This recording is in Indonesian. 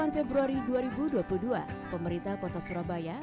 sembilan februari dua ribu dua puluh dua pemerintah kota surabaya